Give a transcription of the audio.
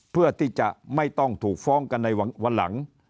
เพื่อที่จะไม่ต้องถูกฟ้องกันในวันหลัง